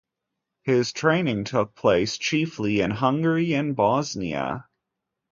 His training took place chiefly in Hungary and Bosnia.